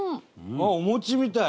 あっお餅みたい。